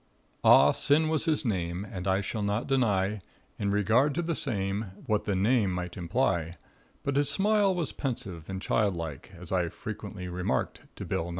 Ah Sin was his name; And I shall not deny, In regard to the same, What the name might imply: But his smile it was pensive and childlike, As I frequent remarked to Bill Nye.